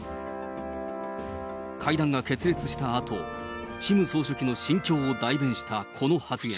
会談が決裂したあと、キム総書記の心境を代弁したこの発言。